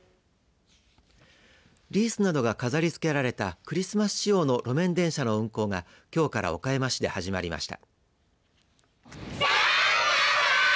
リースなどが飾りつけられたクリスマス仕様の路面電車の運行がきょうから岡山市で始まりました。